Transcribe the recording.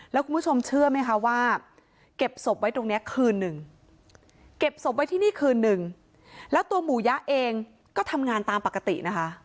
แล้วคุณผู้ชมเชื่อไหมคะว่าเก็บศพไว้ตรงนี้คืนหนึ่งเก็บศพไว้ที่นี่คืนนึงแล้วตัวหมูยะเองก็ทำงานตามปกตินะคะ